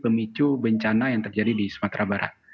jadi ini pemicu bencana yang terjadi di sumatera barat